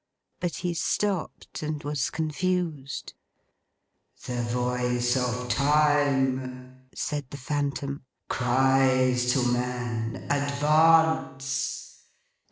But he stopped, and was confused. 'The voice of Time,' said the Phantom, 'cries to man, Advance!